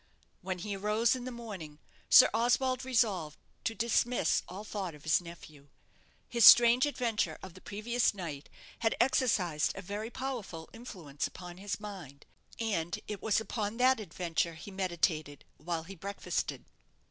When he arose in the morning, Sir Oswald resolved to dismiss all thought of his nephew. His strange adventure of the previous night had exercised a very powerful influence upon his mind; and it was upon that adventure he meditated while he breakfasted.